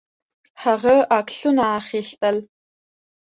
هغه عکسونه اخیستل.